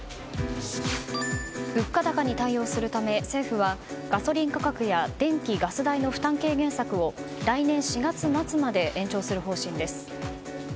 物価高に対応するため政府はガソリン価格や電気・ガス代の負担軽減策を来年４月末まで延長する方針です。